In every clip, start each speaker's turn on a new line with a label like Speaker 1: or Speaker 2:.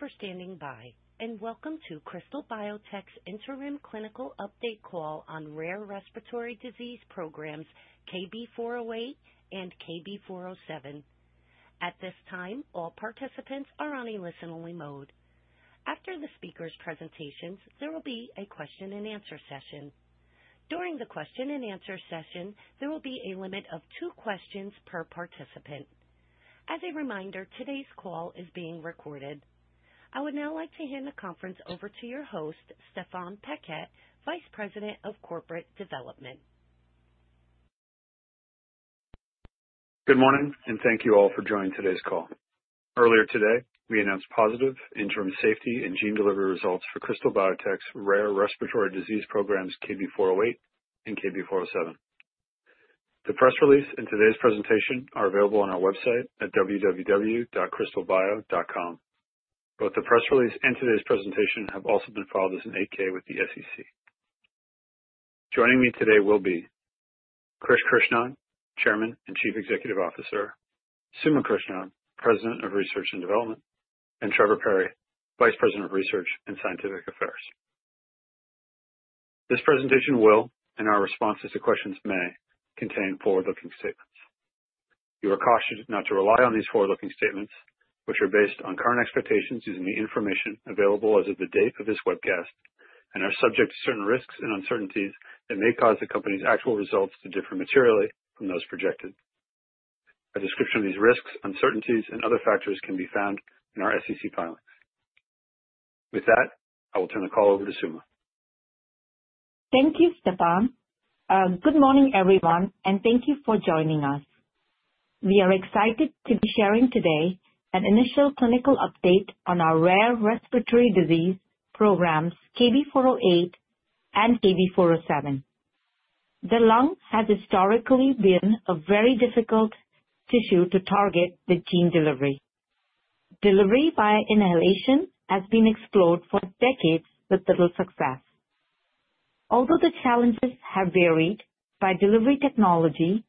Speaker 1: Thank you for standing by, and welcome to Krystal Biotech's Interim Clinical Update Call on rare respiratory disease programs KB408 and KB407. At this time, all participants are on a listen-only mode. After the speakers' presentations, there will be a question-and-answer session. During the question-and-answer session, there will be a limit of two questions per participant. As a reminder, today's call is being recorded. I would now like to hand the conference over to your host, Stéphane Paquette, Vice President of Corporate Development.
Speaker 2: Good morning, and thank you all for joining today's call. Earlier today, we announced positive interim safety and gene delivery results for Krystal Biotech's rare respiratory disease programs KB408 and KB407. The press release and today's presentation are available on our website at www.krystalbio.com. Both the press release and today's presentation have also been filed as an 8-K with the SEC. Joining me today will be: Krish Krishnan, Chairman and Chief Executive Officer; Suma Krishnan, President of Research and Development; and Trevor Perry, Vice President of Research and Scientific Affairs. This presentation will, in our responses to questions, may contain forward-looking statements. You are cautioned not to rely on these forward-looking statements, which are based on current expectations using the information available as of the date of this webcast and are subject to certain risks and uncertainties that may cause the company's actual results to differ materially from those projected. A description of these risks, uncertainties, and other factors can be found in our SEC filings. With that, I will turn the call over to Suma.
Speaker 3: Thank you, Stéphane. Good morning, everyone, and thank you for joining us. We are excited to be sharing today an initial clinical update on our rare respiratory disease programs, KB408 and KB407. The lung has historically been a very difficult tissue to target with gene delivery. Delivery via inhalation has been explored for decades with little success. Although the challenges have varied by delivery technology,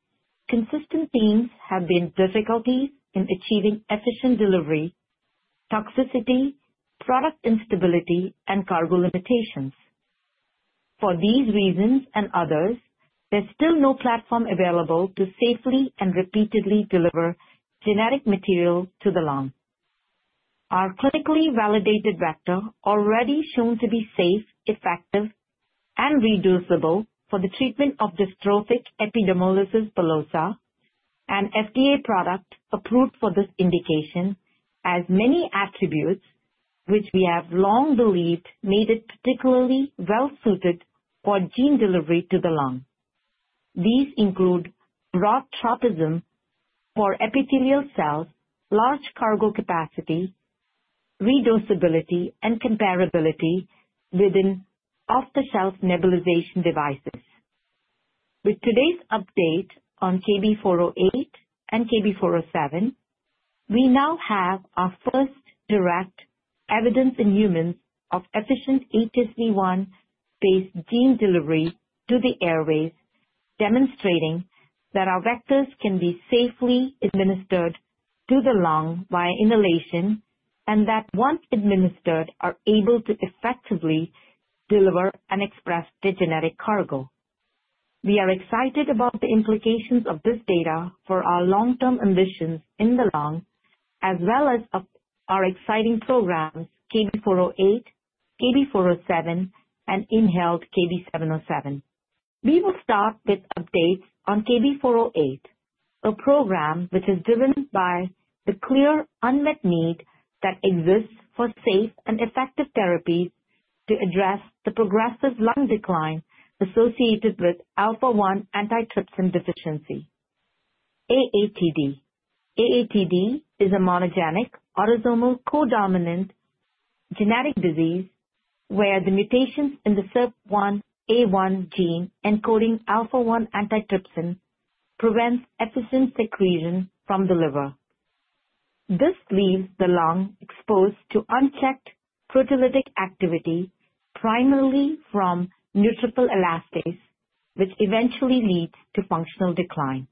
Speaker 3: consistent themes have been difficulties in achieving efficient delivery, toxicity, product instability, and cargo limitations. For these reasons and others, there's still no platform available to safely and repeatedly deliver genetic material to the lung. Our clinically validated vector already shown to be safe, effective, and reusable for the treatment of dystrophic epidermolysis bullosa, and FDA product approved for this indication, has many attributes which we have long believed made it particularly well-suited for gene delivery to the lung. These include broad tropism for epithelial cells, large cargo capacity, reusability, and comparability within off-the-shelf nebulization devices. With today's update on KB408 and KB407, we now have our first direct evidence in humans of efficient HSV1-based gene delivery to the airways, demonstrating that our vectors can be safely administered to the lung via inhalation and that, once administered, are able to effectively deliver and express the genetic cargo. We are excited about the implications of this data for our long-term ambitions in the lung, as well as our exciting programs, KB408, KB407, and inhaled KB707. We will start with updates on KB408, a program which is driven by the clear unmet need that exists for safe and effective therapies to address the progressive lung decline associated Alpha-1 Antitrypsin deficiency, AATD. AATD is a monogenic autosomal codominant genetic disease where the mutations in the SERPINA1 gene encoding Alpha-1 Antitrypsin prevent efficient secretion from the liver. This leaves the lung exposed to unchecked proteolytic activity, primarily from neutrophil elastase, which eventually leads to functional decline.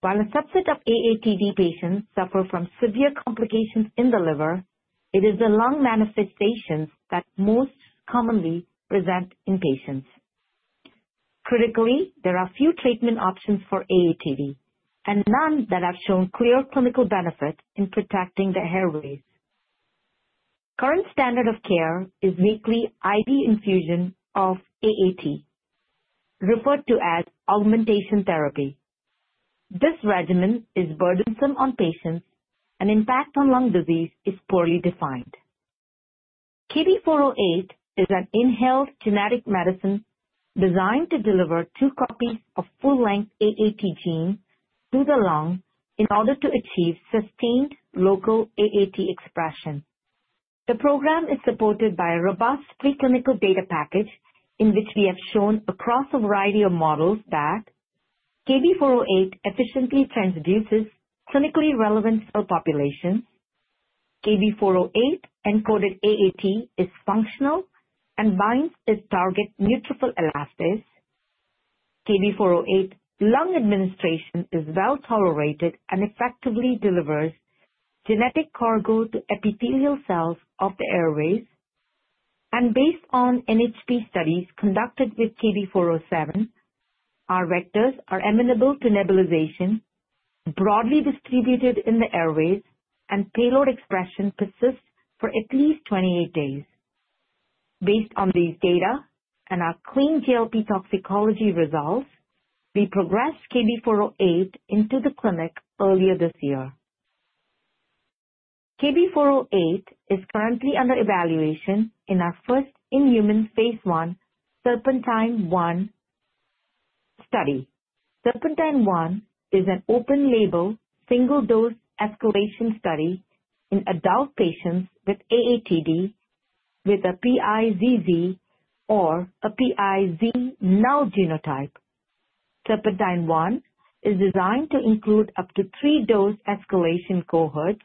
Speaker 3: While a subset of AATD patients suffer from severe complications in the liver, it is the lung manifestations that most commonly present in patients. Critically, there are few treatment options for AATD, and none that have shown clear clinical benefit in protecting the airways. Current standard of care is weekly IV infusion of AAT, referred to as augmentation therapy. This regimen is burdensome on patients, and impact on lung disease is poorly defined. KB408 is an inhaled genetic medicine designed to deliver two copies of full-length AAT genes to the lung in order to achieve sustained local AAT expression. The program is supported by a robust preclinical data package in which we have shown across a variety of models that KB408 efficiently transduces clinically relevant cell populations. KB408-encoded AAT is functional and binds its target neutrophil elastase. KB408 lung administration is well tolerated and effectively delivers genetic cargo to epithelial cells of the airways. And based on NHP studies conducted with KB407, our vectors are amenable to nebulization, broadly distributed in the airways, and payload expression persists for at least 28 days. Based on these data and our clean GLP toxicology results, we progressed KB408 into the clinic earlier this year. KB408 is currently under evaluation in our first-in-human phase I SERPENTINE-1 study. SERPENTINE-1 is an open-label, single-dose escalation study in adult patients with AATD, with a PIZZ or a PI*ZZ-null genotype. SERPENTINE-1 is designed to include up to three-dose escalation cohorts,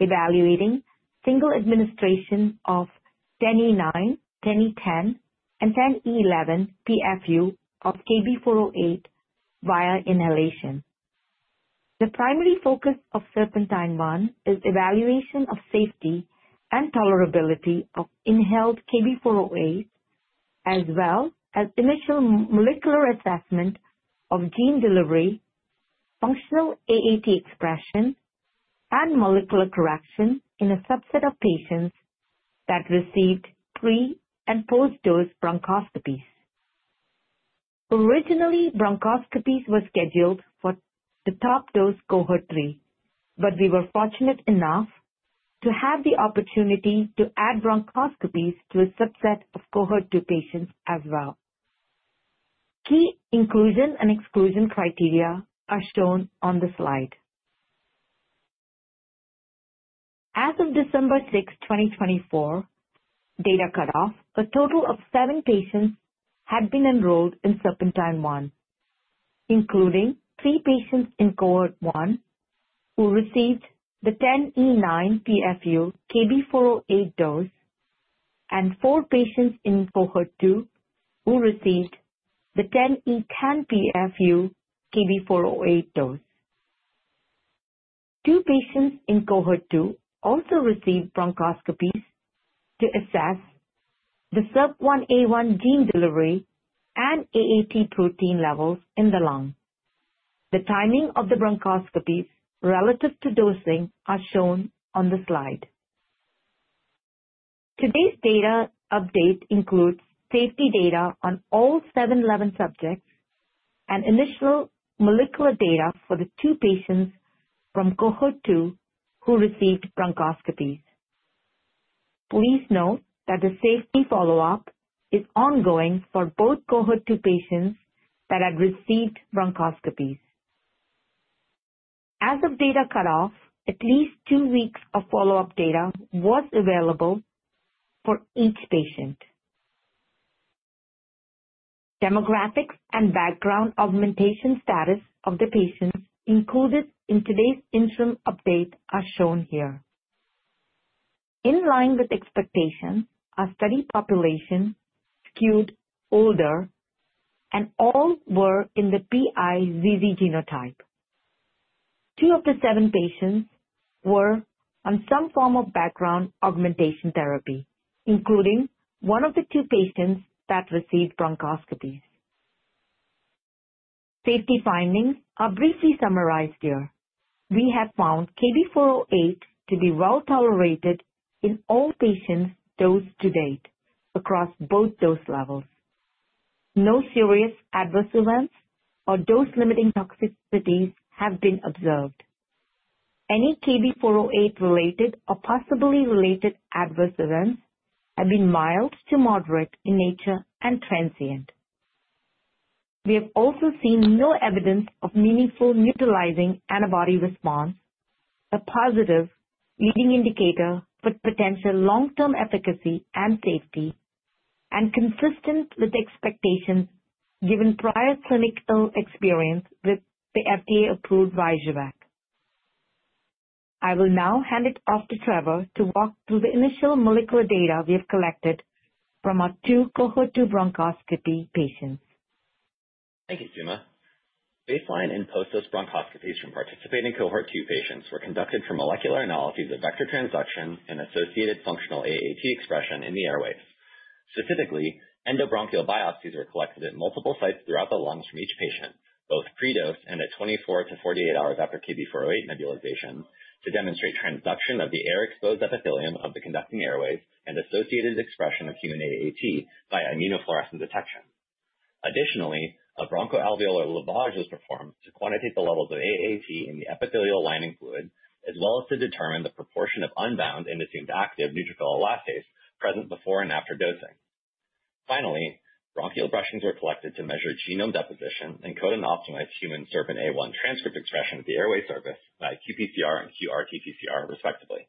Speaker 3: evaluating single administration of 10E9, 10E10, and 10E11 PFU of KB408 via inhalation. The primary focus of SERPENTINE-1 is evaluation of safety and tolerability of inhaled KB408, as well as initial molecular assessment of gene delivery, functional AAT expression, and molecular correction in a subset of patients that received pre- and post-dose bronchoscopies. Originally, bronchoscopies were scheduled for the top-dose cohort three, but we were fortunate enough to have the opportunity to add bronchoscopies to a subset of cohort two patients as well. Key inclusion and exclusion criteria are shown on the slide. As of December 6, 2024, data cut off, a total of seven patients had been enrolled in SERPENTINE-1, including three patients in cohort one who received the 10E9 PFU KB408 dose and four patients in cohort two who received the 10E10 PFU KB408 dose. Two patients in cohort two also received bronchoscopies to assess the SERPINA1 gene delivery and AAT protein levels in the lung. The timing of the bronchoscopies relative to dosing is shown on the slide. Today's data update includes safety data on all seven and 11 subjects and initial molecular data for the two patients from cohort two who received bronchoscopies. Please note that the safety follow-up is ongoing for both cohort two patients that had received bronchoscopies. As of data cut off, at least two weeks of follow-up data was available for each patient. Demographics and background augmentation status of the patients included in today's interim update are shown here. In line with expectations, our study population skewed older, and all were in the PIZZ genotype. Two of the seven patients were on some form of background augmentation therapy, including one of the two patients that received bronchoscopies. Safety findings are briefly summarized here. We have found KB408 to be well tolerated in all patients dosed to date across both dose levels. No serious adverse events or dose-limiting toxicities have been observed. Any KB408-related or possibly related adverse events have been mild to moderate in nature and transient. We have also seen no evidence of meaningful neutralizing antibody response, a positive leading indicator for potential long-term efficacy and safety, and consistent with expectations given prior clinical experience with the FDA-approved VXJUVEK. I will now hand it off to Trevor to walk through the initial molecular data we have collected from our two cohort two bronchoscopy patients.
Speaker 4: Thank you, Suma. Baseline and post-dose bronchoscopies from participating cohort two patients were conducted for molecular analyses of vector transduction and associated functional AAT expression in the airways. Specifically, endobronchial biopsies were collected at multiple sites throughout the lungs from each patient, both pre-dose and at 24 to 48 hours after KB408 nebulization, to demonstrate transduction of the air-exposed epithelium of the conducting airways and associated expression of human AAT by immunofluorescence detection. Additionally, a bronchoalveolar lavage was performed to quantitate the levels of AAT in the epithelial lining fluid, as well as to determine the proportion of unbound and assumed active neutrophil elastase present before and after dosing. Finally, bronchial brushings were collected to measure genome deposition and code and optimize human SERPINA1 transcript expression of the airway surface by qPCR and qRT-PCR, respectively.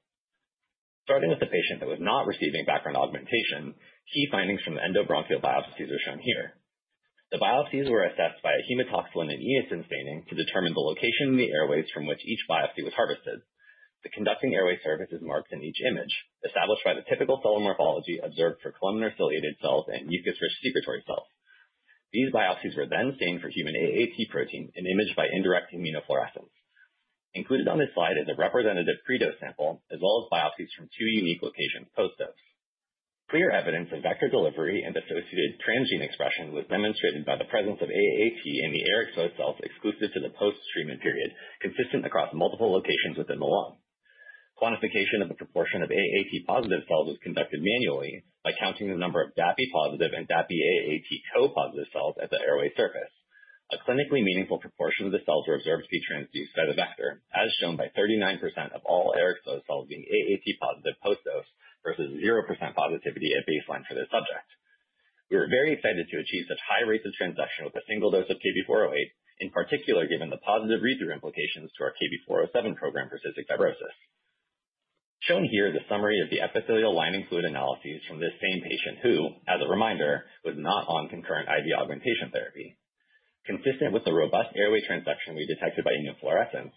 Speaker 4: Starting with the patient that was not receiving background augmentation, key findings from the endobronchial biopsies are shown here. The biopsies were assessed by a hematoxylin and eosin staining to determine the location in the airways from which each biopsy was harvested. The conducting airway surface is marked in each image, established by the typical cell morphology observed for columnar ciliated cells and mucus-rich secretory cells. These biopsies were then stained for human AAT protein and imaged by indirect immunofluorescence. Included on this slide is a representative pre-dose sample, as well as biopsies from two unique locations post-dose. Clear evidence of vector delivery and associated transgene expression was demonstrated by the presence of AAT in the air-exposed cells exclusive to the post-treatment period, consistent across multiple locations within the lung. Quantification of the proportion of AAT-positive cells was conducted manually by counting the number of DAPI-positive and DAPI-AAT-co-positive cells at the airway surface. A clinically meaningful proportion of the cells were observed to be transduced by the vector, as shown by 39% of all air-exposed cells being AAT-positive post-dose versus 0% positivity at baseline for this subject. We were very excited to achieve such high rates of transduction with a single dose of KB408, in particular given the positive read-through implications to our KB407 program for cystic fibrosis. Shown here is a summary of the epithelial lining fluid analyses from this same patient who, as a reminder, was not on concurrent IV augmentation therapy. Consistent with the robust airway transduction we detected by immunofluorescence,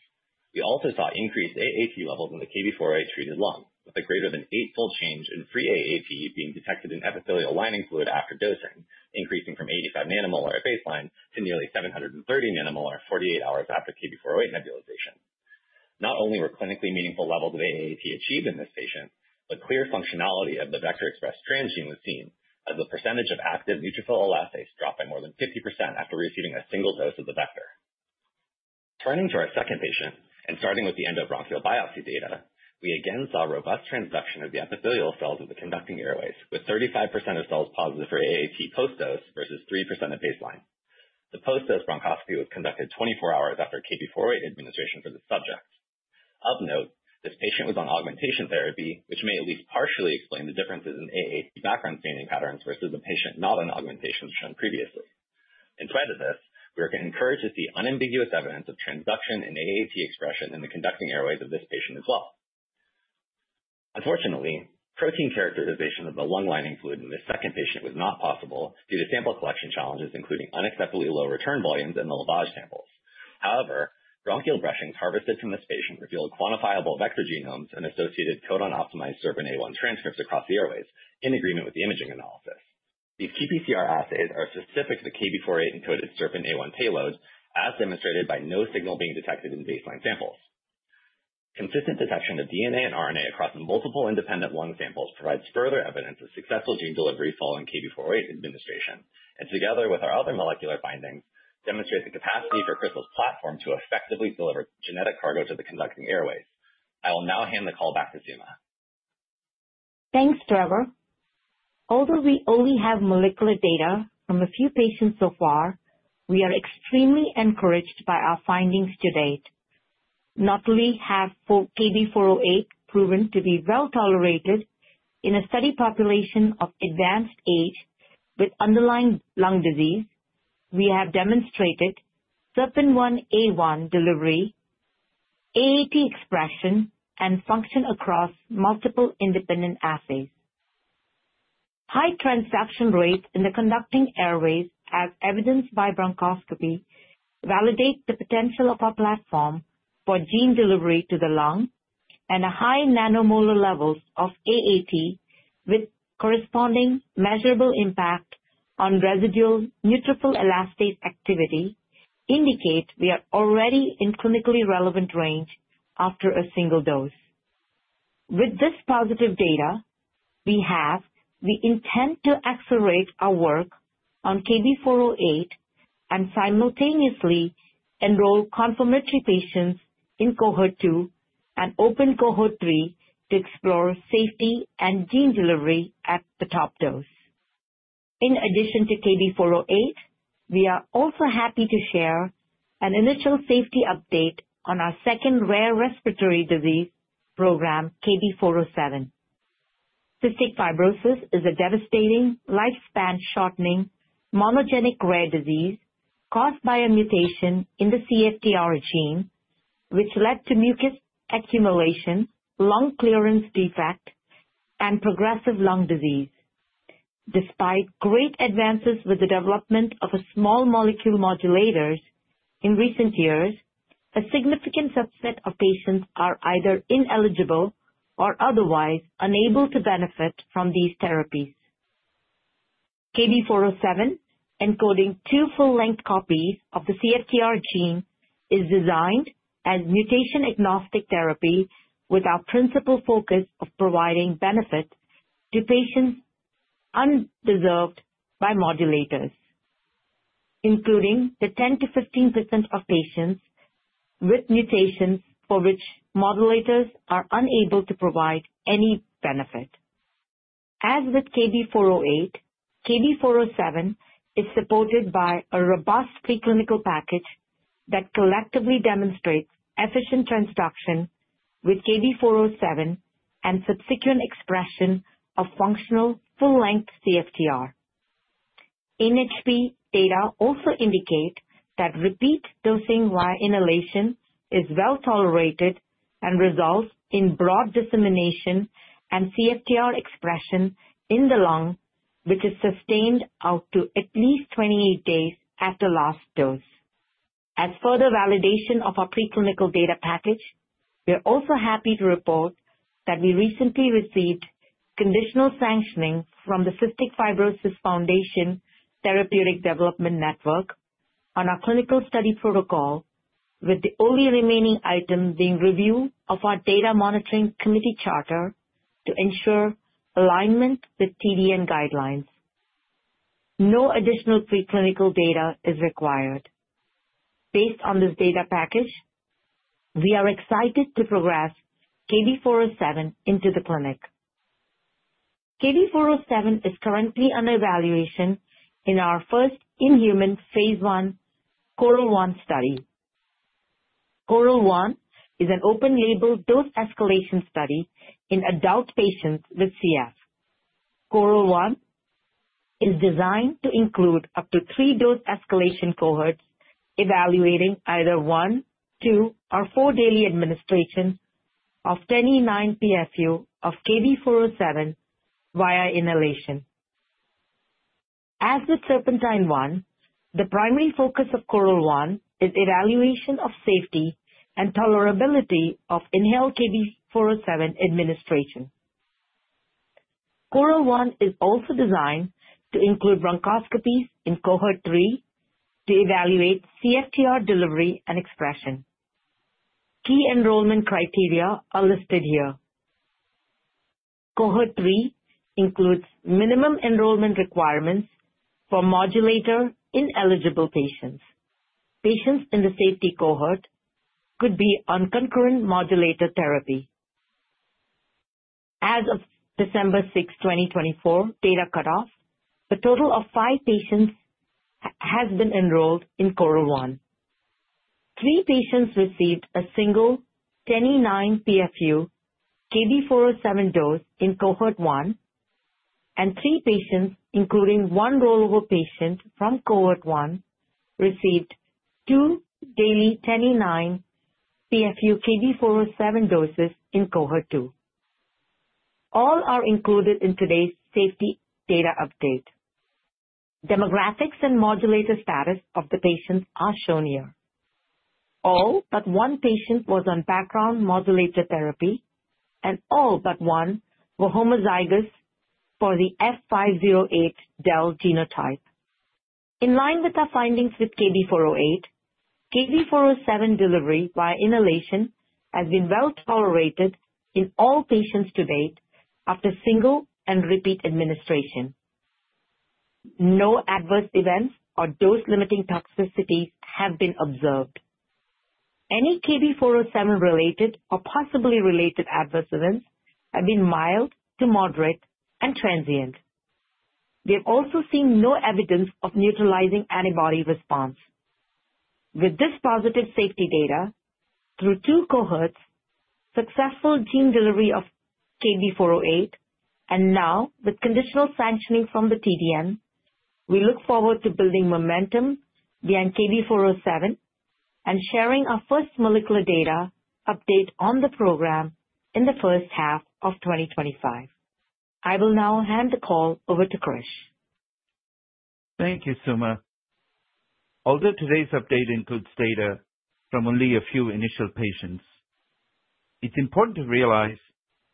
Speaker 4: we also saw increased AAT levels in the KB408-treated lung, with a greater than eight-fold change in free AAT being detected in epithelial lining fluid after dosing, increasing from 85 nanomolar at baseline to nearly 730 nanomolar 48 hours after KB408 nebulization. Not only were clinically meaningful levels of AAT achieved in this patient, but clear functionality of the vector-expressed transgene was seen, as the percentage of active neutrophil elastase dropped by more than 50% after receiving a single dose of the vector. Turning to our second patient and starting with the endobronchial biopsy data, we again saw robust transduction of the epithelial cells of the conducting airways, with 35% of cells positive for AAT post-dose versus 3% at baseline. The post-dose bronchoscopy was conducted 24 hours after KB408 administration for this subject. Of note, this patient was on augmentation therapy, which may at least partially explain the differences in AAT background staining patterns versus a patient not on augmentation as shown previously. In spite of this, we are encouraged to see unambiguous evidence of transduction and AAT expression in the conducting airways of this patient as well. Unfortunately, protein characterization of the lung lining fluid in this second patient was not possible due to sample collection challenges, including unacceptably low return volumes in the lavage samples. However, bronchial brushings harvested from this patient revealed quantifiable vector genomes and associated codon-optimized SERPINA1 transcripts across the airways, in agreement with the imaging analysis. These qPCR assays are specific to the KB408-encoded SERPINA1 payload, as demonstrated by no signal being detected in baseline samples. Consistent detection of DNA and RNA across multiple independent lung samples provides further evidence of successful gene delivery following KB408 administration, and together with our other molecular findings, demonstrates the capacity for Krystal's platform to effectively deliver genetic cargo to the conducting airways. I will now hand the call back to Suma.
Speaker 3: Thanks, Trevor. Although we only have molecular data from a few patients so far, we are extremely encouraged by our findings to date. Not only have KB408 proven to be well tolerated in a study population of advanced age with underlying lung disease, we have demonstrated SERPINA1 delivery, AAT expression, and function across multiple independent assays. High transduction rates in the conducting airways, as evidenced by bronchoscopy, validate the potential of our platform for gene delivery to the lung and a high nanomolar level of AAT with corresponding measurable impact on residual neutrophil elastase activity indicate we are already in clinically relevant range after a single dose. With this positive data, we have the intent to accelerate our work on KB408 and simultaneously enroll confirmatory patients in cohort two and open cohort three to explore safety and gene delivery at the top dose. In addition to KB408, we are also happy to share an initial safety update on our second rare respiratory disease program, KB407. Cystic fibrosis is a devastating, lifespan-shortening, monogenic rare disease caused by a mutation in the CFTR gene, which led to mucus accumulation, lung clearance defect, and progressive lung disease. Despite great advances with the development of small molecule modulators in recent years, a significant subset of patients are either ineligible or otherwise unable to benefit from these therapies. KB407, encoding two full-length copies of the CFTR gene, is designed as mutation-agnostic therapy with our principal focus of providing benefit to patients underserved by modulators, including the 10%-15% of patients with mutations for which modulators are unable to provide any benefit. As with KB408, KB407 is supported by a robust preclinical package that collectively demonstrates efficient transduction with KB407 and subsequent expression of functional full-length CFTR. NHP data also indicate that repeat dosing via inhalation is well tolerated and results in broad dissemination and CFTR expression in the lung, which is sustained out to at least 28 days after last dose. As further validation of our preclinical data package, we are also happy to report that we recently received conditional sanctioning from the Cystic Fibrosis Foundation Therapeutic Development Network on our clinical study protocol, with the only remaining item being review of our Data Monitoring Committee charter to ensure alignment with TDN guidelines. No additional preclinical data is required. Based on this data package, we are excited to progress KB407 into the clinic. KB407 is currently under evaluation in our first-in-human phase 1 CORAL-1 study. CORAL-1 is an open-label dose escalation study in adult patients with CF. CORAL-1 is designed to include up to three dose escalation cohorts evaluating either one, two, or four daily administrations of 29 PFU of KB407 via inhalation. As with SERPENTINE-1, the primary focus of CORAL-1 is evaluation of safety and tolerability of inhaled KB407 administration. CORAL-1 is also designed to include bronchoscopies in cohort three to evaluate CFTR delivery and expression. Key enrollment criteria are listed here. Cohort three includes minimum enrollment requirements for modulator-ineligible patients. Patients in the safety cohort could be on concurrent modulator therapy. As of December 6, 2024, data cut-off, a total of five patients have been enrolled in CORAL-1. Three patients received a single 29 PFU KB407 dose in cohort one, and three patients, including one rollover patient from cohort one, received two daily 29 PFU KB407 doses in cohort two. All are included in today's safety data update. Demographics and modulator status of the patients are shown here. All but one patient was on background modulator therapy, and all but one were homozygous for the F508del genotype. In line with our findings with KB408, KB407 delivery via inhalation has been well tolerated in all patients to date after single and repeat administration. No adverse events or dose-limiting toxicities have been observed. Any KB407-related or possibly related adverse events have been mild to moderate and transient. We have also seen no evidence of neutralizing antibody response. With this positive safety data, through two cohorts, successful gene delivery of KB408, and now with conditional sanctioning from the TDN, we look forward to building momentum beyond KB407 and sharing our first molecular data update on the program in the first half of 2025. I will now hand the call over to Krish.
Speaker 5: Thank you, Suma. Although today's update includes data from only a few initial patients, it's important to realize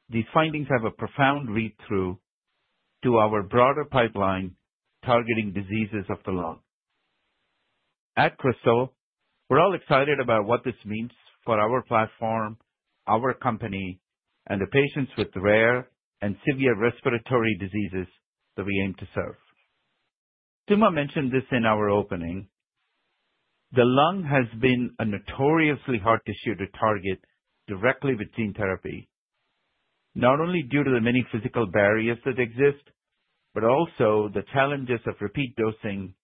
Speaker 5: these findings have a profound read-through to our broader pipeline targeting diseases of the lung. At Krystal, we're all excited about what this means for our platform, our company, and the patients with rare and severe respiratory diseases that we aim to serve. Suma mentioned this in our opening. The lung has been a notoriously hard tissue to target directly with gene therapy, not only due to the many physical barriers that exist, but also the challenges of repeat dosing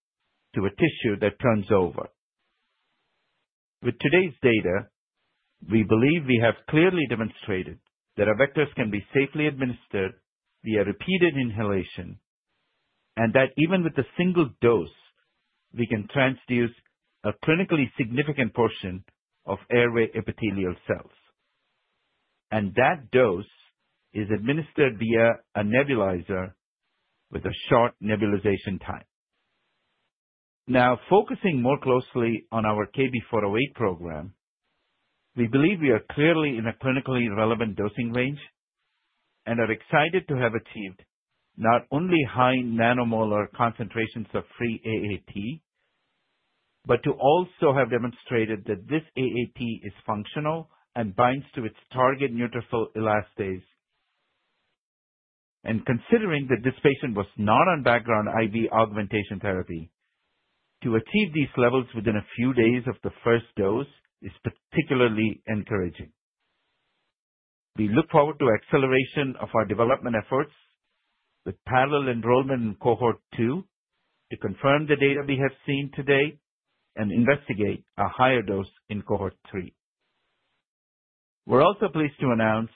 Speaker 5: to a tissue that turns over. With today's data, we believe we have clearly demonstrated that our vectors can be safely administered via repeated inhalation and that even with a single dose, we can transduce a clinically significant portion of airway epithelial cells. And that dose is administered via a nebulizer with a short nebulization time. Now, focusing more closely on our KB408 program, we believe we are clearly in a clinically relevant dosing range and are excited to have achieved not only high nanomolar concentrations of free AAT, but to also have demonstrated that this AAT is functional and binds to its target neutrophil elastase. And considering that this patient was not on background IV augmentation therapy, to achieve these levels within a few days of the first dose is particularly encouraging. We look forward to acceleration of our development efforts with parallel enrollment in cohort two to confirm the data we have seen today and investigate a higher dose in cohort three. We're also pleased to announce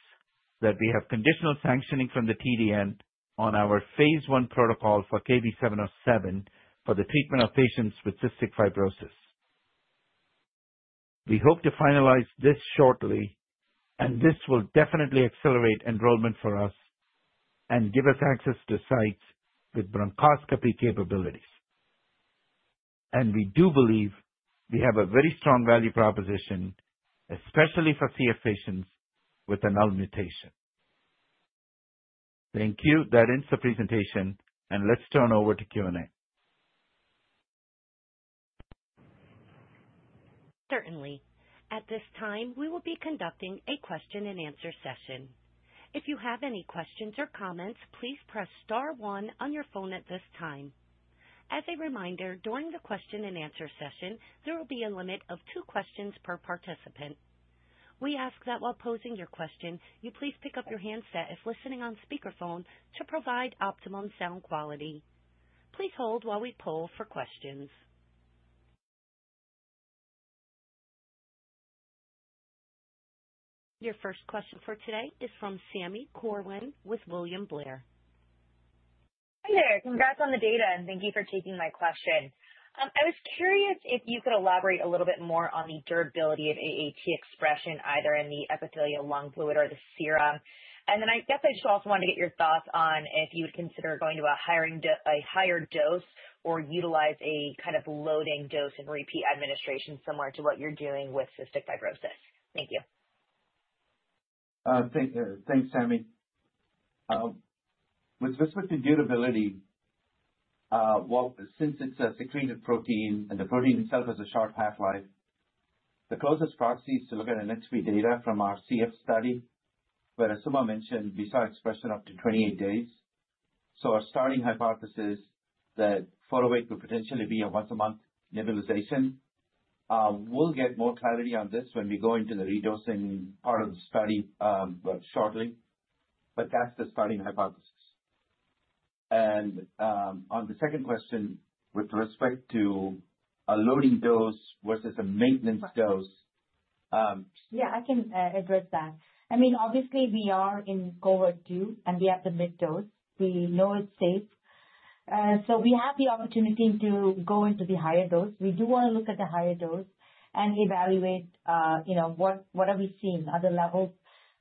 Speaker 5: that we have conditional sanctioning from the TDN on our phase one protocol for KB707 for the treatment of patients with cystic fibrosis. We hope to finalize this shortly, and this will definitely accelerate enrollment for us and give us access to sites with bronchoscopy capabilities. And we do believe we have a very strong value proposition, especially for CF patients with a lung mutation. Thank you. That ends the presentation, and let's turn over to Q&A.
Speaker 1: Certainly. At this time, we will be conducting a question-and-answer session. If you have any questions or comments, please press star one on your phone at this time. As a reminder, during the question-and-answer session, there will be a limit of two questions per participant. We ask that while posing your question, you please pick up your handset if listening on speakerphone to provide optimum sound quality. Please hold while we poll for questions. Your first question for today is from Sami Corwin with William Blair.
Speaker 6: Hi there. Congrats on the data, and thank you for taking my question. I was curious if you could elaborate a little bit more on the durability of AAT expression, either in the epithelial lining fluid or the serum. And then I guess I just also wanted to get your thoughts on if you would consider going to a higher dose or utilize a kind of loading dose and repeat administration similar to what you're doing with cystic fibrosis. Thank you.
Speaker 5: Thanks, Sammy. With respect to durability, since it's a secreted protein and the protein itself has a short half-life, the closest proxies to look at NHP data from our CF study where Suma mentioned we saw expression up to 28 days. So our starting hypothesis that 408 could potentially be a once-a-month nebulization. We'll get more clarity on this when we go into the redosing part of the study shortly, but that's the starting hypothesis. And on the second question with respect to a loading dose versus a maintenance dose.
Speaker 3: Yeah, I can address that. I mean, obviously, we are in cohort two, and we have the mid dose. We know it's safe. So we have the opportunity to go into the higher dose. We do want to look at the higher dose and evaluate what are we seeing, other levels,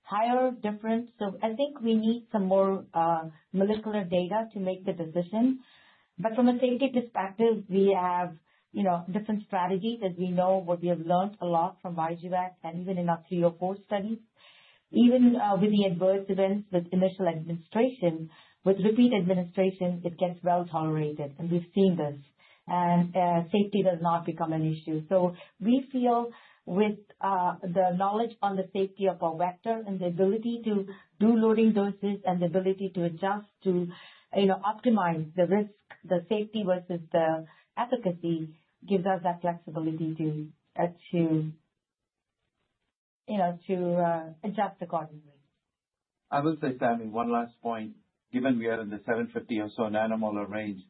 Speaker 3: higher difference. So I think we need some more molecular data to make the decision. But from a safety perspective, we have different strategies as we know what we have learned a lot from VXJUVEK and even in our three or four studies. Even with the adverse events with initial administration, with repeat administration, it gets well tolerated, and we've seen this, and safety does not become an issue. So we feel with the knowledge on the safety of our vector and the ability to do loading doses and the ability to adjust to optimize the risk, the safety versus the efficacy gives us that flexibility to adjust accordingly.
Speaker 5: I will say, Sammy, one last point. Given we are in the 750 or so nanomolar range,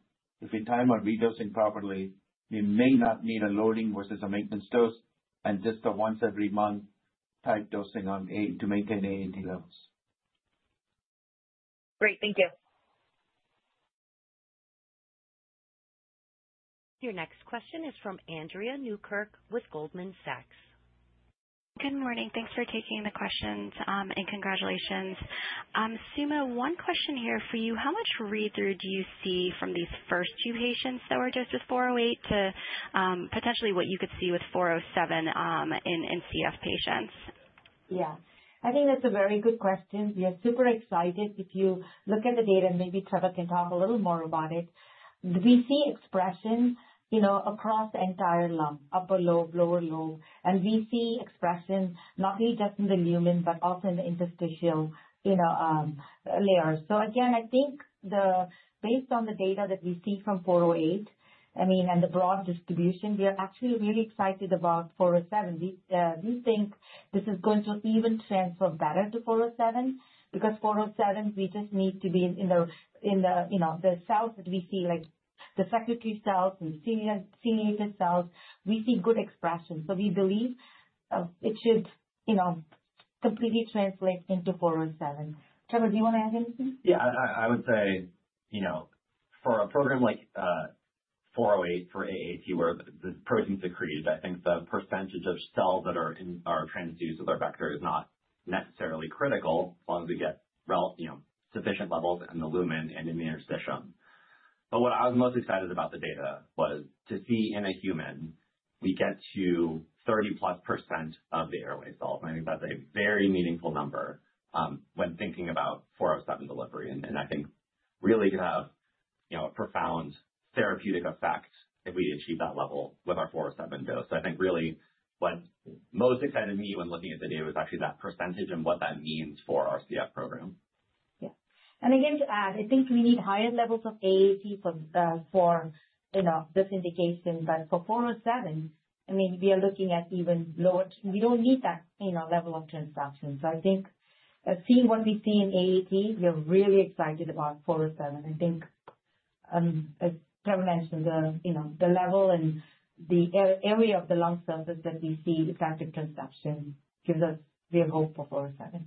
Speaker 5: if we time our redosing properly, we may not need a loading versus a maintenance dose and just a once-every-month type dosing to maintain AAT levels.
Speaker 6: Great. Thank you.
Speaker 1: Your next question is from Andrea Tan with Goldman Sachs.
Speaker 7: Good morning. Thanks for taking the questions, and congratulations. Suma, one question here for you. How much read-through do you see from these first two patients that were dosed with 408 to potentially what you could see with 407 in CF patients?
Speaker 3: Yeah. I think that's a very good question. We are super excited. If you look at the data, maybe Trevor can talk a little more about it. We see expression across the entire lung, upper lobe, lower lobe, and we see expression not only just in the lumen but also in the interstitial layers. So again, I think based on the data that we see from 408, I mean, and the broad distribution, we are actually really excited about 407. We think this is going to even transfer better to 407 because 407, we just need to be in the cells that we see, like the secretory cells and the cells. We see good expression. So we believe it should completely translate into 407. Trevor, do you want to add anything?
Speaker 4: Yeah. I would say for a program like 408 for AAT, where the proteins are created, I think the percentage of cells that are transduced with our vector is not necessarily critical as long as we get sufficient levels in the lumen and in the interstitium. But what I was most excited about the data was to see in a human, we get to 30%+ of the airway cells. And I think that's a very meaningful number when thinking about 407 delivery. And I think really could have a profound therapeutic effect if we achieve that level with our 407 dose. So I think really what most excited me when looking at the data was actually that percentage and what that means for our CF program.
Speaker 3: Yeah. And again, to add, I think we need higher levels of AAT for this indication. But for 407, I mean, we are looking at even lower, we don't need that level of transduction. So I think seeing what we see in AAT, we are really excited about 407. I think, as Trevor mentioned, the level and the area of the lung surface that we see with active transduction gives us real hope for 407.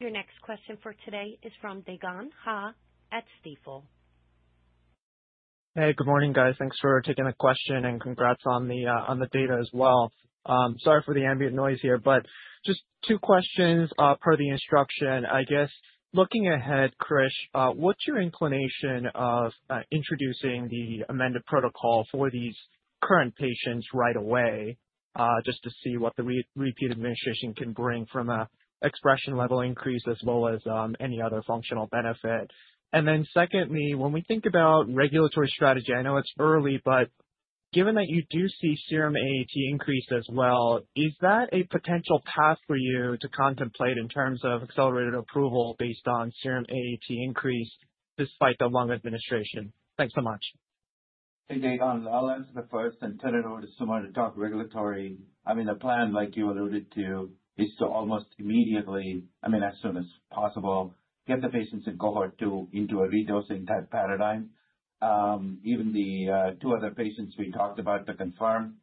Speaker 1: Your next question for today is from Dae Gon Ha at Stifel.
Speaker 8: Hey, good morning, guys. Thanks for taking the question, and congrats on the data as well. Sorry for the ambient noise here, but just two questions per the instruction. I guess looking ahead, Krish, what's your inclination of introducing the amended protocol for these current patients right away just to see what the repeat administration can bring from an expression level increase as well as any other functional benefit? And then secondly, when we think about regulatory strategy, I know it's early, but given that you do see serum AAT increase as well, is that a potential path for you to contemplate in terms of accelerated approval based on serum AAT increase despite the lung administration? Thanks so much.
Speaker 5: Hey, Dae Gon. I'll answer the first and turn it over to Suma to talk regulatory. I mean, the plan, like you alluded to, is to almost immediately, I mean, as soon as possible, get the patients in cohort two into a redosing type paradigm. Even the two other patients we talked about to confirm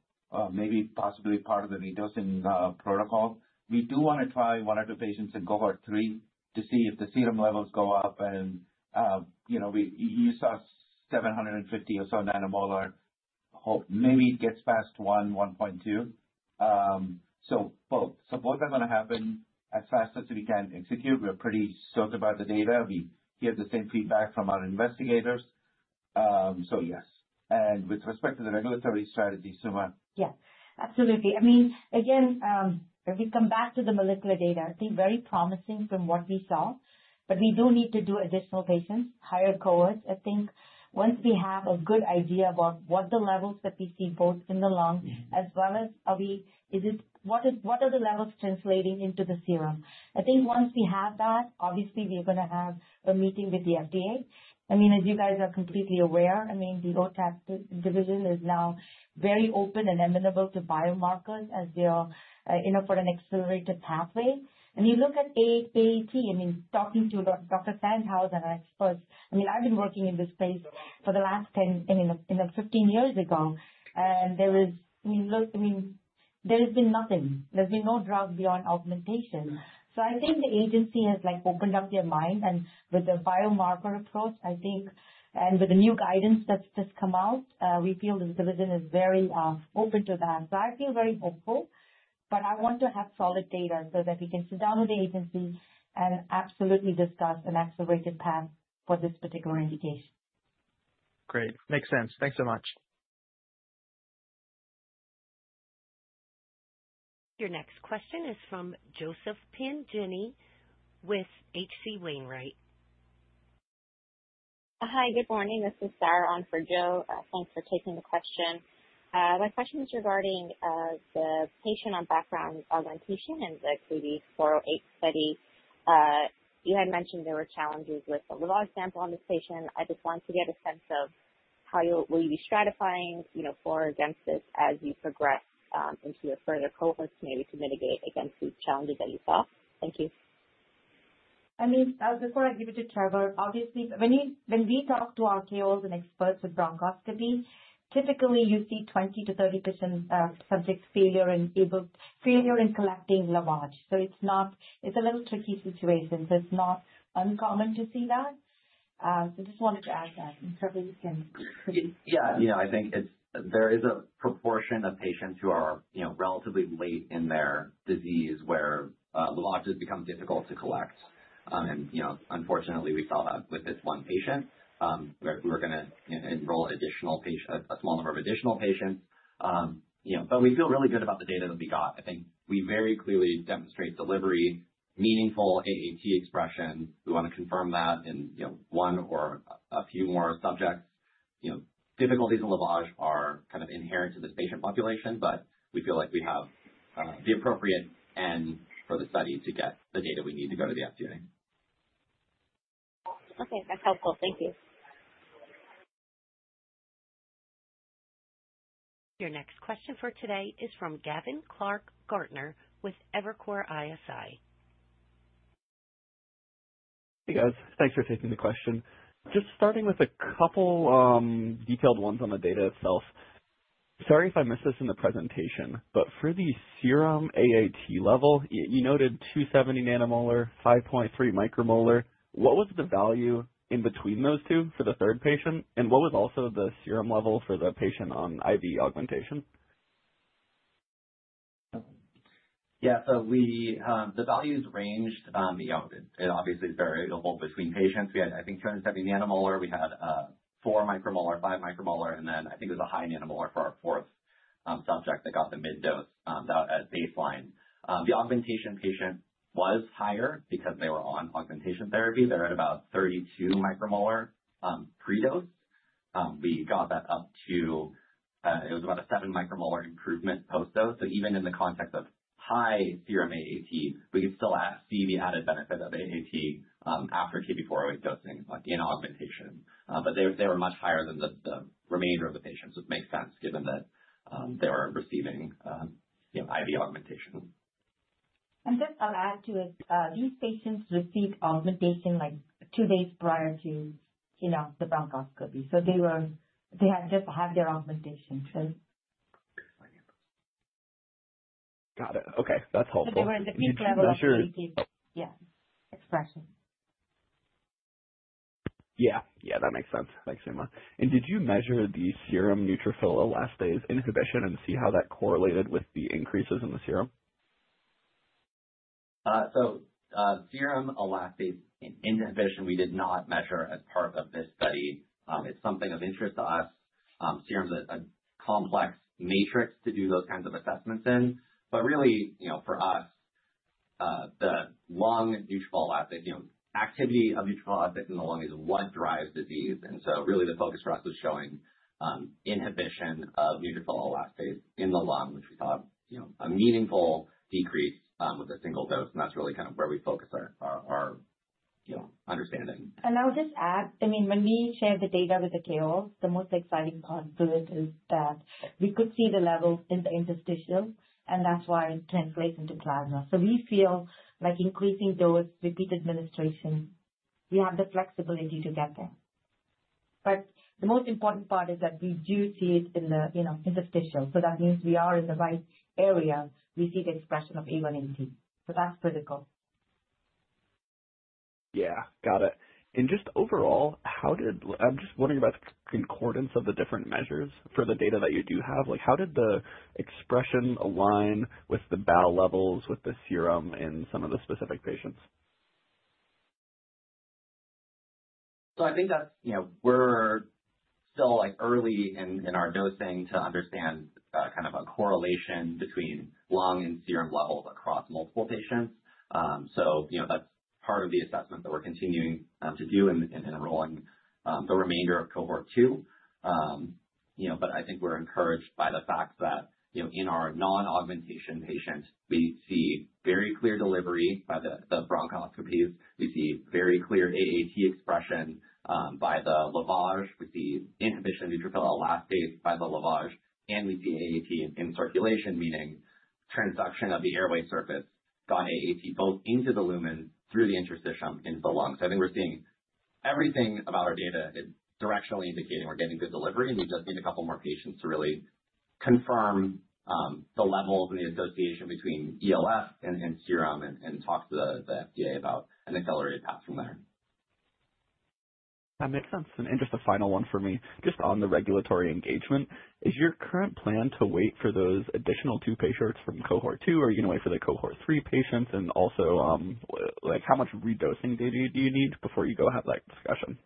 Speaker 5: maybe possibly part of the redosing protocol. We do want to try one or two patients in cohort three to see if the serum levels go up, and we saw 750 or so nanomolar. Maybe it gets past 1, 1.2, so both are going to happen as fast as we can execute. We're pretty stoked about the data. We hear the same feedback from our investigators, so yes. With respect to the regulatory strategy, Suma.
Speaker 3: Yeah. Absolutely. I mean, again, if we come back to the molecular data, I think very promising from what we saw. But we do need to do additional patients, higher cohorts, I think. Once we have a good idea about what the levels that we see both in the lung as well as what are the levels translating into the serum. I think once we have that, obviously, we are going to have a meeting with the FDA. I mean, as you guys are completely aware, I mean, the OTAP division is now very open and amenable to biomarkers as they are for an accelerated pathway, and you look at AAT. I mean, talking to Dr. Sandhaus and our experts, I mean, I've been working in this space for the last 10, I mean, 15 years ago. And there was, I mean, there has been nothing. There's been no drug beyond augmentation. So I think the agency has opened up their mind. And with the biomarker approach, I think, and with the new guidance that's just come out, we feel the division is very open to that. So I feel very hopeful, but I want to have solid data so that we can sit down with the agency and absolutely discuss an accelerated path for this particular indication.
Speaker 8: Great. Makes sense. Thanks so much.
Speaker 1: Your next question is from Joseph Pantginis with H.C. Wainwright.
Speaker 9: Hi, good morning. This is Sarah on for Joe. Thanks for taking the question. My question is regarding the patient on background augmentation and the KB408 study. You had mentioned there were challenges with the live sample on this patient. I just wanted to get a sense of how will you be stratifying for against this as you progress into your further cohorts maybe to mitigate against these challenges that you saw? Thank you.
Speaker 3: I mean, before I give it to Trevor, obviously, when we talk to our KOLs and experts with bronchoscopy, typically, you see 20%-30% subject failure in collecting lavage. So it's a little tricky situation. So it's not uncommon to see that. So I just wanted to add that. And Trevor, you can.
Speaker 4: Yeah. I think there is a proportion of patients who are relatively late in their disease where lavage has become difficult to collect. And unfortunately, we saw that with this one patient where we were going to enroll a small number of additional patients. But we feel really good about the data that we got. I think we very clearly demonstrate delivery, meaningful AAT expression. We want to confirm that in one or a few more subjects. Difficulties in lavage are kind of inherent to this patient population, but we feel like we have the appropriate end for the study to get the data we need to go to the FDA.
Speaker 9: Okay. That's helpful. Thank you.
Speaker 1: Your next question for today is from Gavin Clark-Gartner with Evercore ISI.
Speaker 10: Hey, guys. Thanks for taking the question. Just starting with a couple detailed ones on the data itself. Sorry if I missed this in the presentation, but for the serum AAT level, you noted 270 nanomolar, 5.3 micromolar. What was the value in between those two for the third patient? And what was also the serum level for the patient on IV augmentation?
Speaker 4: Yeah. So the values ranged. It obviously is variable between patients. We had, I think, 270 nanomolar. We had 4 micromolar, 5 micromolar, and then I think it was a high nanomolar for our fourth subject that got the mid dose at baseline. The augmentation patient was higher because they were on augmentation therapy. They're at about 32 micromolar pre-dose. We got that up to it was about a 7 micromolar improvement post-dose. So even in the context of high serum AAT, we could still see the added benefit of AAT after KB408 dosing in augmentation. But they were much higher than the remainder of the patients, which makes sense given that they were receiving IV augmentation.
Speaker 3: And just, I'll add to it. These patients received augmentation two days prior to the bronchoscopy. So they had just had their augmentation.
Speaker 10: Got it. Okay. That's helpful.
Speaker 3: They were in the peak level of AAT.
Speaker 4: Yeah.
Speaker 3: Expression.
Speaker 10: Yeah. Yeah. That makes sense. Thanks, Suma. And did you measure the serum neutrophil elastase inhibition and see how that correlated with the increases in the serum?
Speaker 4: So serum elastase inhibition, we did not measure as part of this study. It's something of interest to us. Serum is a complex matrix to do those kinds of assessments in. But really, for us, the lung neutrophil elastase, activity of neutrophil elastase in the lung is what drives disease. And so really, the focus for us was showing inhibition of neutrophil elastase in the lung, which we thought a meaningful decrease with a single dose. And that's really kind of where we focus our understanding.
Speaker 3: And I'll just add, I mean, when we shared the data with the KOLs, the most exciting part of it is that we could see the level in the interstitial, and that's why it translates into plasma. So we feel like, increasing dose, repeat administration, we have the flexibility to get there. But the most important part is that we do see it in the interstitial. So that means we are in the right area. We see the expression of AAT. So that's critical.
Speaker 10: Yeah. Got it. And just overall, I'm just wondering about the concordance of the different measures for the data that you do have. How did the expression align with the BAL levels, with the serum in some of the specific patients?
Speaker 4: So I think that we're still early in our dosing to understand kind of a correlation between lung and serum levels across multiple patients. So that's part of the assessment that we're continuing to do and enrolling the remainder of cohort two. But I think we're encouraged by the fact that in our non-augmentation patient, we see very clear delivery by the bronchoscopies. We see very clear AAT expression by the lavage. We see inhibition of neutrophil elastase by the lavage. And we see AAT in circulation, meaning transduction of the airway surface, got AAT both into the lumen through the interstitium into the lung. So I think we're seeing everything about our data is directionally indicating we're getting good delivery. We just need a couple more patients to really confirm the levels and the association between ELF and serum and talk to the FDA about an accelerated path from there.
Speaker 10: That makes sense. And just a final one for me, just on the regulatory engagement. Is your current plan to wait for those additional two patients from cohort two, or are you going to wait for the cohort three patients? And also, how much redosing data do you need before you go have that discussion?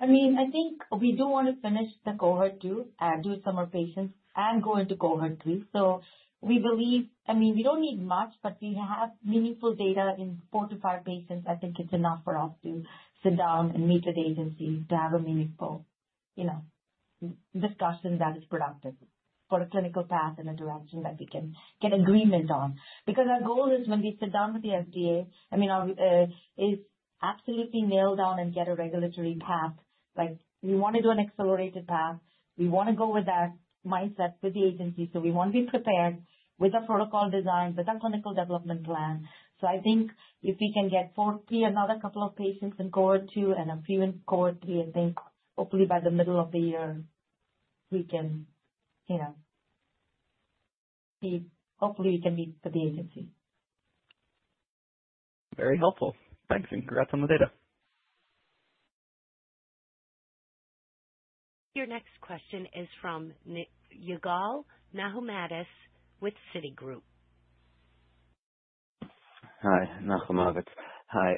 Speaker 3: I mean, I think we do want to finish the cohort two and do some more patients and go into cohort three. So we believe, I mean, we don't need much, but we have meaningful data in four to five patients. I think it's enough for us to sit down and meet with the agency to have a meaningful discussion that is productive for a clinical path and a direction that we can get agreement on. Because our goal is when we sit down with the FDA, I mean, is absolutely nail down and get a regulatory path. We want to do an accelerated path. We want to go with that mindset with the agency. So we want to be prepared with a protocol design, with a clinical development plan. I think if we can get four, three, another couple of patients in cohort two and a few in cohort three, I think hopefully by the middle of the year, we can see hopefully we can meet with the agency.
Speaker 10: Very helpful. Thanks. And congrats on the data.
Speaker 1: Your next question is from Yigal Nochomovitz with Citigroup.
Speaker 11: Hi, Nochomovitz. Hi.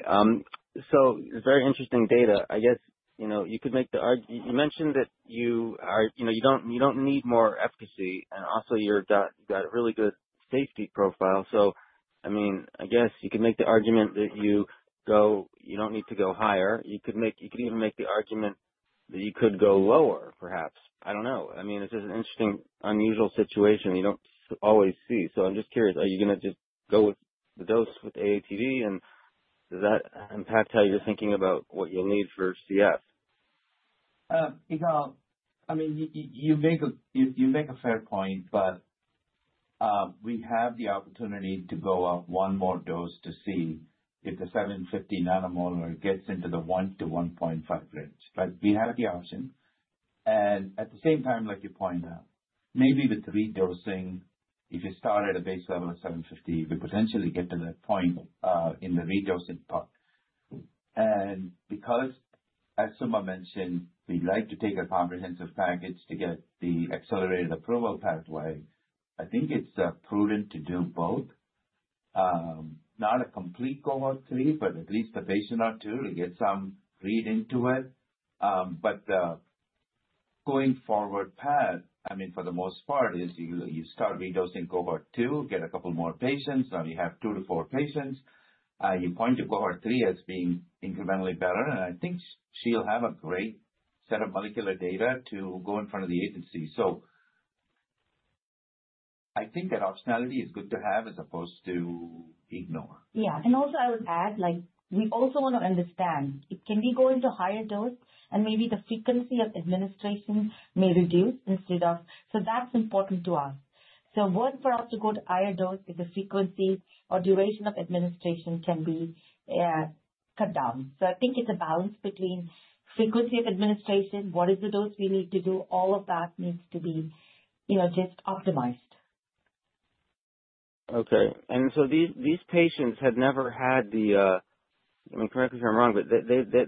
Speaker 11: So it's very interesting data. I guess you could make the argument you mentioned that you don't need more efficacy. And also, you've got a really good safety profile. So I mean, I guess you could make the argument that you don't need to go higher. You could even make the argument that you could go lower, perhaps. I don't know. I mean, this is an interesting, unusual situation you don't always see. So I'm just curious, are you going to just go with the dose with AATD? And does that impact how you're thinking about what you'll need for CF?
Speaker 5: I mean, you make a fair point, but we have the opportunity to go up one more dose to see if the 750 nanomolar gets into the 1 to 1.5 range. But we have the option. And at the same time, like you pointed out, maybe with redosing, if you start at a base level of 750, we potentially get to that point in the redosing part. And because, as Suma mentioned, we'd like to take a comprehensive package to get the accelerated approval pathway, I think it's prudent to do both. Not a complete cohort three, but at least the patient on two to get some read into it. But the going forward path, I mean, for the most part, is you start redosing cohort two, get a couple more patients. Now you have two to four patients. You point to cohort three as being incrementally better. I think she'll have a great set of molecular data to go in front of the agency. I think that optionality is good to have as opposed to ignore.
Speaker 3: Yeah. And also, I would add, we also want to understand, can we go into higher dose? And maybe the frequency of administration may reduce instead of so that's important to us. So work for us to go to higher dose if the frequency or duration of administration can be cut down. So I think it's a balance between frequency of administration, what is the dose we need to do, all of that needs to be just optimized.
Speaker 11: Okay. And so these patients had never had the I mean, correct me if I'm wrong, but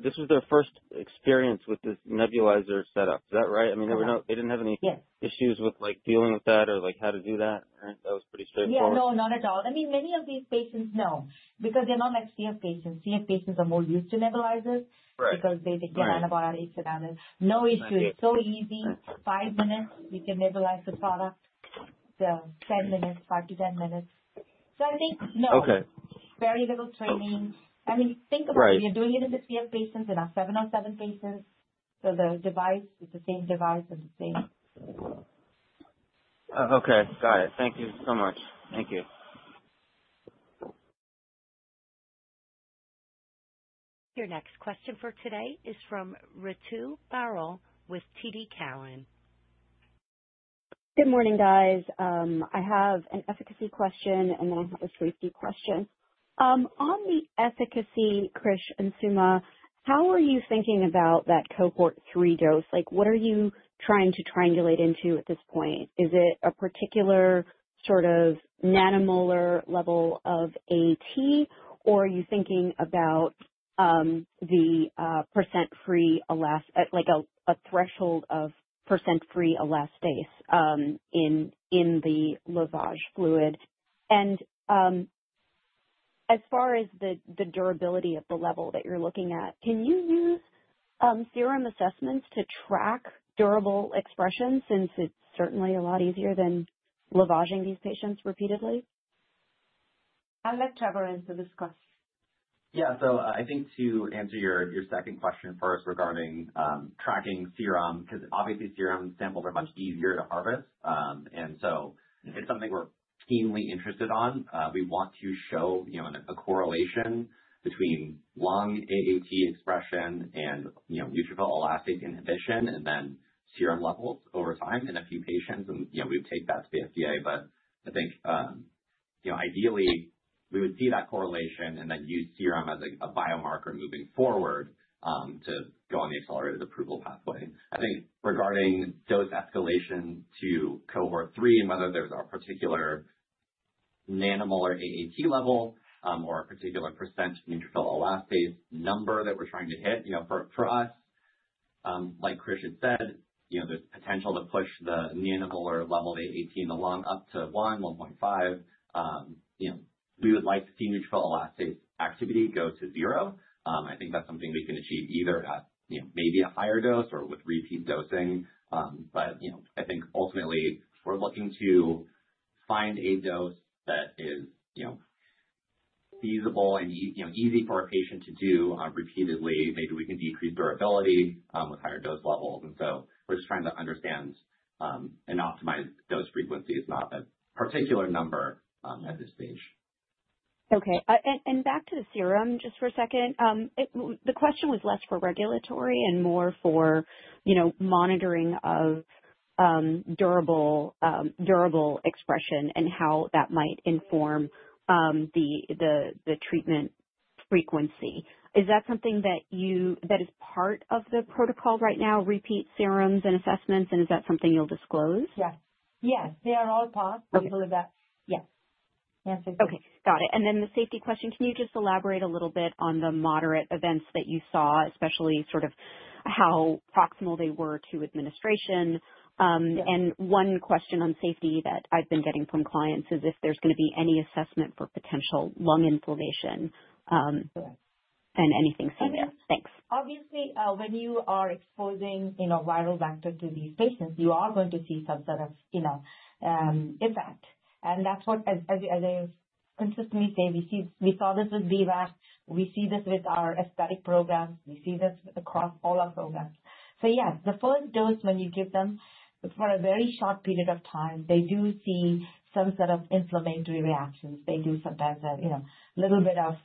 Speaker 11: this was their first experience with this nebulizer setup. Is that right? I mean, they didn't have any issues with dealing with that or how to do that? That was pretty straightforward.
Speaker 3: Yeah. No, not at all. I mean, many of these patients, no, because they're not like CF patients. CF patients are more used to nebulizers because they get antibiotics and others. No issues. So easy. Five minutes, we can nebulize the product. 10 minutes, five to 10 minutes. So I think, no, very little training. I mean, think about it. You're doing it in the CF patients. There are seven or seven patients. So the device is the same device and the same.
Speaker 11: Okay. Got it. Thank you so much. Thank you.
Speaker 1: Your next question for today is from Ritu Baral with TD Cowen.
Speaker 12: Good morning, guys. I have an efficacy question, and then I have a safety question. On the efficacy, Krish and Suma, how are you thinking about that cohort three dose? What are you trying to triangulate into at this point? Is it a particular sort of nanomolar level of AAT, or are you thinking about the %-free elastase, like a threshold of %-free elastase in the lavage fluid? And as far as the durability of the level that you're looking at, can you use serum assessments to track durable expression since it's certainly a lot easier than lavaging these patients repeatedly?
Speaker 3: I'll let Trevor answer this question.
Speaker 4: Yeah. So I think to answer your second question first regarding tracking serum, because obviously, serum samples are much easier to harvest. And so it's something we're keenly interested on. We want to show a correlation between lung AAT expression and neutrophil elastase inhibition and then serum levels over time in a few patients. And we would take that to the FDA. But I think ideally, we would see that correlation and then use serum as a biomarker moving forward to go on the accelerated approval pathway. I think regarding dose escalation to cohort three and whether there's a particular nanomolar AAT level or a particular percent neutrophil elastase number that we're trying to hit, for us, like Krish had said, there's potential to push the nanomolar level of AAT in the lung up to one, 1.5. We would like to see neutrophil elastase activity go to zero. I think that's something we can achieve either at maybe a higher dose or with repeat dosing. But I think ultimately, we're looking to find a dose that is feasible and easy for a patient to do repeatedly. Maybe we can decrease durability with higher dose levels, and so we're just trying to understand and optimize dose frequencies, not a particular number at this stage.
Speaker 12: Okay, and back to the serum just for a second. The question was less for regulatory and more for monitoring of durable expression and how that might inform the treatment frequency. Is that something that is part of the protocol right now, repeat serums and assessments, and is that something you'll disclose?
Speaker 3: Yes. Yes. They are all part of that. Yes. Yes.
Speaker 12: Okay. Got it. And then the safety question, can you just elaborate a little bit on the moderate events that you saw, especially sort of how proximal they were to administration? And one question on safety that I've been getting from clients is if there's going to be any assessment for potential lung inflammation and anything similar. Thanks.
Speaker 3: Obviously, when you are exposing viral vector to these patients, you are going to see some sort of effect, and that's what, as I consistently say, we saw this with BRAF. We see this with our aesthetic programs. We see this across all our programs, so yes, the first dose when you give them for a very short period of time, they do see some sort of inflammatory reactions. They do sometimes a little bit of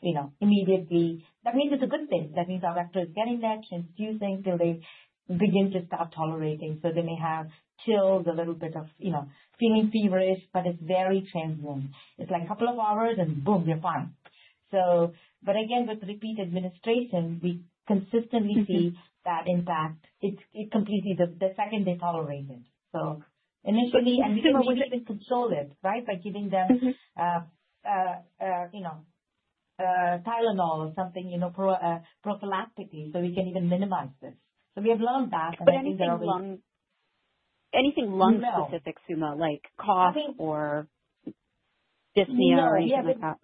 Speaker 3: immediately. That means it's a good thing. That means our vector is getting there. It's infusing till they begin to start tolerating, so they may have chills, a little bit of feeling feverish, but it's very transient. It's like a couple of hours and boom, you're fine, but again, with repeat administration, we consistently see that impact. It's completely the second they tolerate it. Initially, and we can even control it, right, by giving them Tylenol or something prophylactically so we can even minimize this. We have learned that.
Speaker 12: But anything lung specific, Suma, like cough or dyspnea or anything like that?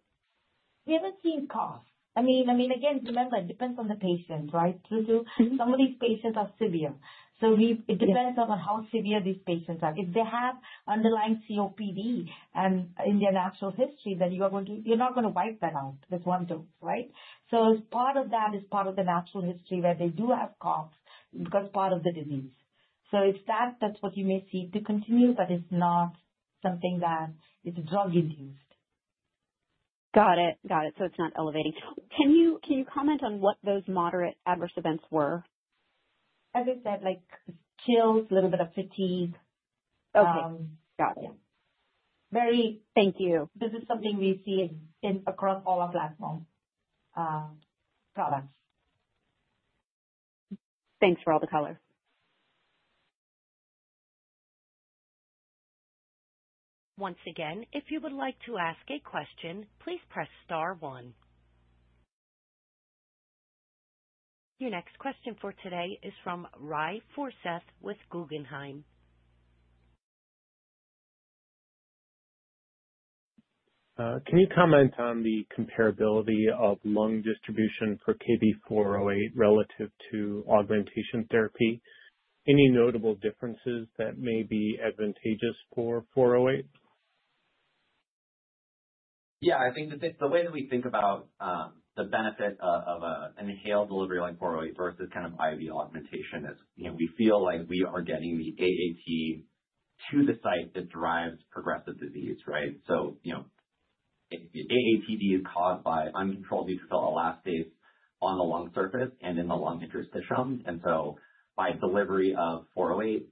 Speaker 3: We haven't seen cough. I mean, again, remember, it depends on the patient, right? Some of these patients are severe. So it depends on how severe these patients are. If they have underlying COPD and in their natural history, then you're not going to wipe that out with one dose, right? So part of that is part of the natural history where they do have cough because part of the disease. So that's what you may see to continue, but it's not something that is drug-induced.
Speaker 12: Got it. Got it. So it's not elevating. Can you comment on what those moderate adverse events were?
Speaker 3: As I said, chills, a little bit of fatigue.
Speaker 12: Okay. Got it.
Speaker 3: Very.
Speaker 12: Thank you.
Speaker 3: This is something we see across all our platform products.
Speaker 12: Thanks for all the colors.
Speaker 1: Once again, if you would like to ask a question, please press star one. Your next question for today is from Ry Forseth with Guggenheim.
Speaker 13: Can you comment on the comparability of lung distribution for KB408 relative to augmentation therapy? Any notable differences that may be advantageous for 408?
Speaker 4: Yeah. I think the way that we think about the benefit of an inhaled delivery like 408 versus kind of IV augmentation is we feel like we are getting the AAT to the site that drives progressive disease, right? So AATD is caused by uncontrolled neutrophil elastase on the lung surface and in the lung interstitium. And so by delivery of 408,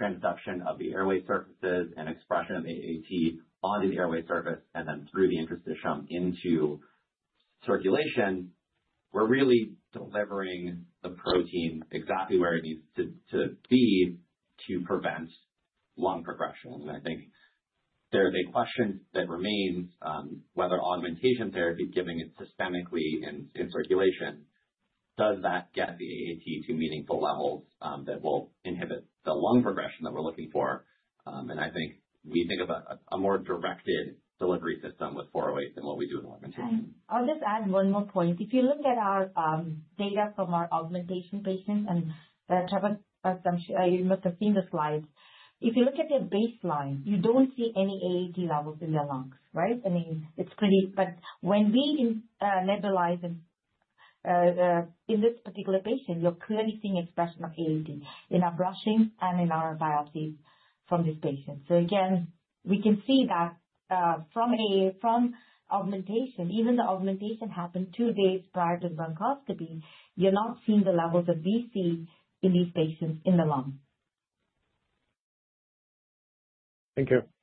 Speaker 4: transduction of the airway surfaces and expression of AAT on the airway surface and then through the interstitium into circulation, we're really delivering the protein exactly where it needs to be to prevent lung progression. And I think there's a question that remains whether augmentation therapy giving it systemically in circulation, does that get the AAT to meaningful levels that will inhibit the lung progression that we're looking for? And I think we think of a more directed delivery system with 408 than what we do with augmentation.
Speaker 3: I'll just add one more point. If you look at our data from our augmentation patients, and Trevor, I don't know if you must have seen the slides. If you look at their baseline, you don't see any AAT levels in their lungs, right? I mean, it's pretty. But when we nebulize in this particular patient, you're clearly seeing expression of AAT in our brushing and in our biopsies from these patients. So again, we can see that from augmentation, even though augmentation happened two days prior to bronchoscopy, you're not seeing the levels of AAT in these patients in the lung.
Speaker 13: Thank you.